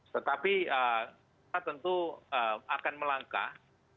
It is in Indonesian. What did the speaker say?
tetapi kita tentu akan melangkah